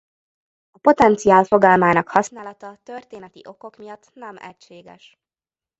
A potenciál fogalmának használata történeti okok miatt nem egységes.